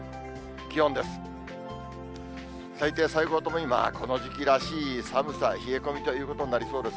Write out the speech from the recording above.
気温です。